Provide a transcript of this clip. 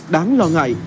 đáng lo ngại